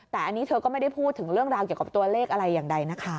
แต่อันนี้เธอก็ไม่ได้พูดถึงเรื่องราวเกี่ยวกับตัวเลขอะไรอย่างใดนะคะ